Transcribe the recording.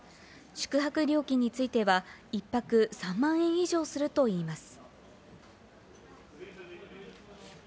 宿泊料金については１泊３万円以上するといいます。